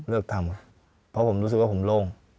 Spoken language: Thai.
เลือกทำเพราะผมรู้สึกว่าผมโล่ง